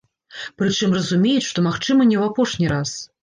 Прычым разумеюць, што, магчыма, не ў апошні раз.